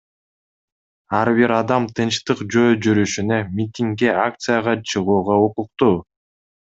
Ар бир адам тынчтык жөө жүрүшүнө, митингге, акцияга чыгууга укуктуу.